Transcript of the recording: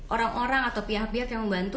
orang orang atau pihak pihak yang membantu